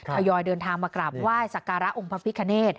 พยอยเดินทางมากราบว่ายสักการะองค์พระพิกคณ์เนธ